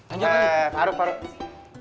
eh paruh paruh